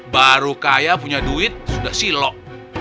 baru kaya punya duit sudah silok